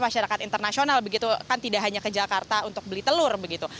masyarakat internasional begitu kan tidak hanya ke jakarta untuk beli telur begitu